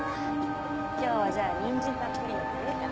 今日はじゃあニンジンたっぷりのカレーかな